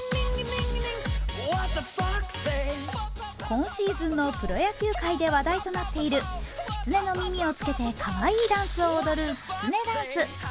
今シーズンのプロ野球界で話題となっているきつねの耳をつけてかわいいダンスを踊るきつねダンス。